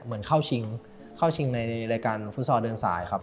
เหมือนเข้าชิงเข้าชิงในรายการฟุตซอลเดินสายครับ